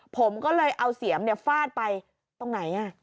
ผมก็เลยเอาเสียมฟาดไปตรงไหน